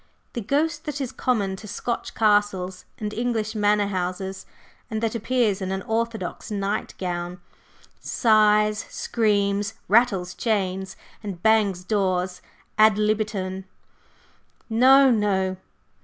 "The ghost that is common to Scotch castles and English manor houses, and that appears in an orthodox night gown, sighs, screams, rattles chains and bangs doors ad libitum. No, no!